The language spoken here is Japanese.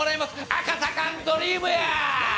赤坂ンドリームや！